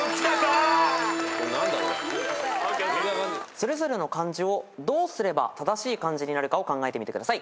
それぞれの漢字をどうすれば正しい漢字になるかを考えてみてください。